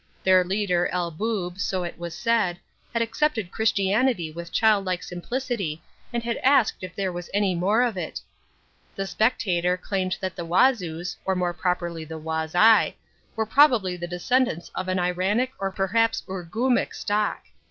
Their leader, El Boob, so it was said, had accepted Christianity with childlike simplicity and had asked if there was any more of it. The Spectator claimed that the Wazoos, or more properly the Wazi, were probably the descendants of an Iranic or perhaps Urgumic stock.